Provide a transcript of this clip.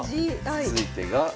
続いてが。